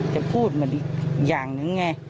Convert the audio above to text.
จะพูดอย่างหนึ่งไง